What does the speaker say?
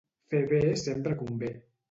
Fer bé sempre convé.